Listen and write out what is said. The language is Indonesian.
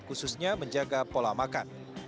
khususnya menjaga pola makan